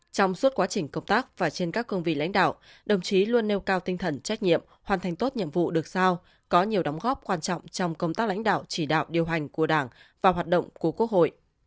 trong suốt quá trình công tác và trên các cương vị lãnh đạo đồng chí luôn nêu cao tinh thần trách nhiệm hoàn thành tốt nhiệm vụ được sao có nhiều đóng góp quan trọng trong công tác lãnh đạo chỉ đạo điều hành của đảng và hoạt động của quốc hội